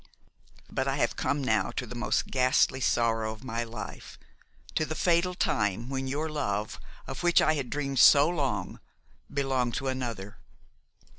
"But I have come now to the most ghastly sorrow of my life, to the fatal time when your love, of which I had dreamed so long, belonged to another.